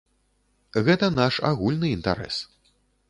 Гэта наш агульны інтарэс.